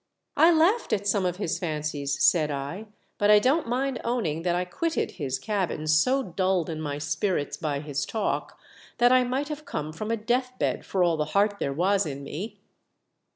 " I laughed at some of his fancies," said I, "but I don't mind owning that I quitted his cabin so dulled in my spirits by his talk, that I might have come from a death bed for all the heart there was in me."